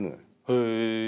へえ